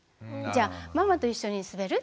「じゃあママと一緒に滑る？」。